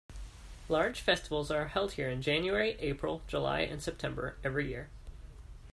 Large festivals are held here in January, April, July and September every year.